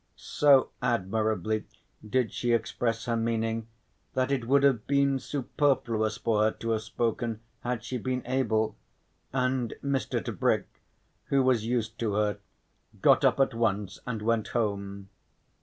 So admirably did she express her meaning that it would have been superfluous for her to have spoken had she been able, and Mr. Tebrick, who was used to her, got up at once and went home.